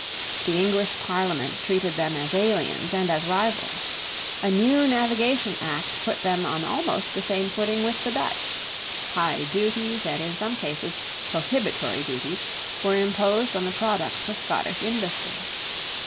The English parliament treated them as aliens and as rivals. A new Navigation Act put them on almost the same footing with the Dutch. High duties, and in some cases prohibitory duties, were imposed on the products of Scottish industry.